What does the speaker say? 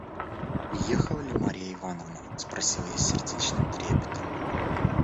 – «Уехала ли Марья Ивановна?» – спросил я с сердечным трепетом.